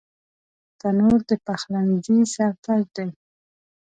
تنور د پخلنځي سر تاج دی